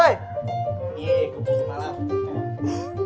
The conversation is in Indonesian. yeay kupu malam